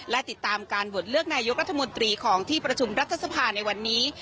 และติดตามการโหวตเลือกนายกรัฐมนตรีของที่ประชุมรัฐสภาในวันนี้